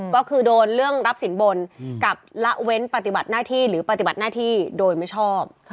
ก็คือโดนเรื่องรับสินบนกับละเว้นปฏิบัติหน้าที่หรือปฏิบัติหน้าที่โดยไม่ชอบ